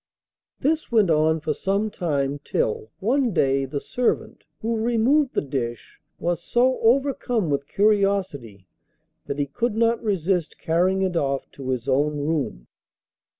This went on for some time till, one day, the servant who removed the dish was so overcome with curiosity, that he could not resist carrying it off to his own room.